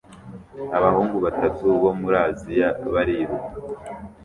Abahungu batatu bo muri Aziya bariruka